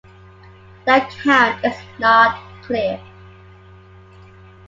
The account is not clear.